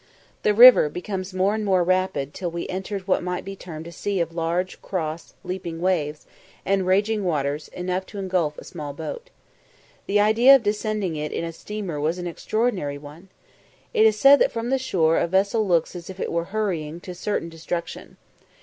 The river became more and more rapid till we entered what might be termed a sea of large, cross, leaping waves, and raging waters, enough to engulf a small boat. The idea of descending it in a steamer was an extraordinary one. It is said that from the shore a vessel looks as if it were hurrying to certain destruction.